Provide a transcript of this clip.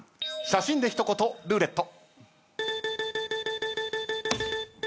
写真で一言ルーレット。